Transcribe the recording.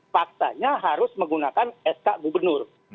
faktanya harus menggunakan sk gubernur